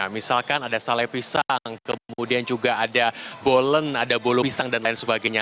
misalkan ada sale pisang kemudian juga ada bolen ada bolo pisang dan lain sebagainya